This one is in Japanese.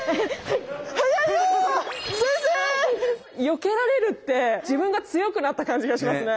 よけられるって自分が強くなった感じがしますね。